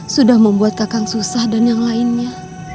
sudah membuat kakak susah dan yang lainnya